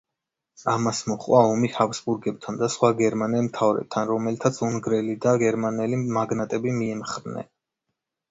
ამას მოჰყვა ომი ჰაბსბურგებთან და სხვა გერმანელ მთავრებთან, რომელთაც უნგრელი და გერმანელი მაგნატები მიემხრნენ.